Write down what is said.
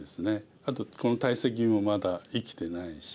あとこの大石もまだ生きてないし。